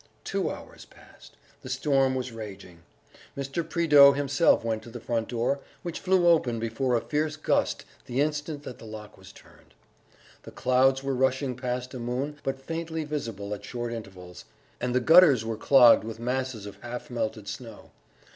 Two hours passed ... the storm was raging. Mr. Prideaux himself went to the front door, which flew open before a fierce gust the instant that the lock was turned. The clouds were rushing past a moon but faintly visible at short intervals, and the gutters were clogged with masses of half melted snow.